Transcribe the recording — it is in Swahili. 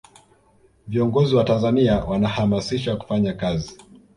viongozi wa tanzania wanahamasisha kufanya kazi